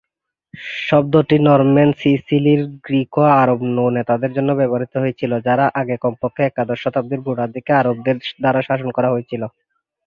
শব্দটি নরম্যান সিসিলির গ্রিকো-আরব নৌ-নেতাদের জন্য ব্যবহৃত হয়েছিল, যার আগে কমপক্ষে একাদশ শতাব্দীর গোড়ার দিকে আরবদের দ্বারা শাসন করা হয়েছিল।